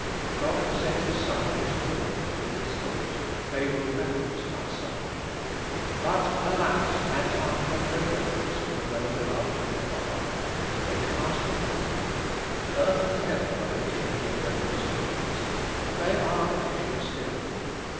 God sent his Son into the world with this thought, "They will reverence my son;" but alas! man's heart had no reverence for the "well beloved" of the Father. They cast him out. Earth and heaven were at issue in reference to Christ; and they are at issue still.